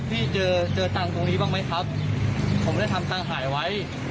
พี่เจอเจอตังค์ตรงนี้บ้างไหมครับผมได้ทำตังค์หายไว้